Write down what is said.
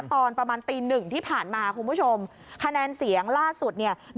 ตอนประมาณตีหนึ่งที่ผ่านมาคุณผู้ชมคะแนนเสียงล่าสุดเนี่ย